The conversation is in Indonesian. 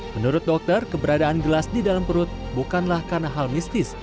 menurut dokter keberadaan gelas di dalam perut bukanlah karena hal mistis